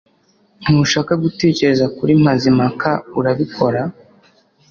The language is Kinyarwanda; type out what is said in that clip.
Ntushaka gutekereza kuri Mazimpaka urabikora